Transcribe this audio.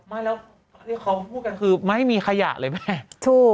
ไม่แล้วที่เขาพูดกันคือไม่มีขยะเลยแม่ถูก